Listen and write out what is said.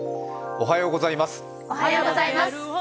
おはようございます。